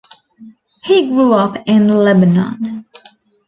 He grew up in Lebanon.